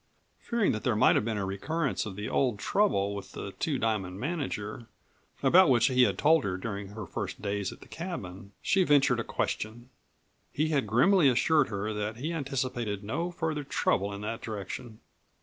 Fearing that there might have been a recurrence of the old trouble with the Two Diamond manager about which he had told her during her first days at the cabin she ventured a question. He had grimly assured her that he anticipated no further trouble in that direction.